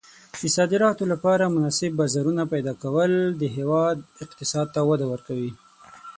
د صادراتو لپاره مناسب بازارونه پیدا کول د هېواد اقتصاد ته وده ورکوي.